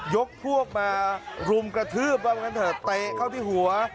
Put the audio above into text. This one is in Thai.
ยกพวกมารุ่มกระทืบเตะเข้าที่หัว